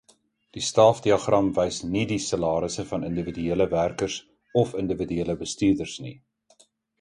Die staafdiagram wys nie die salarisse van individuele werkers of individuele bestuurders nie.